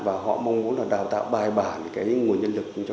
và họ mong muốn đào tạo bài bảo